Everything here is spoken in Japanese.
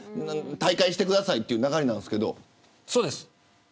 退会してくださいという流れなんですけど。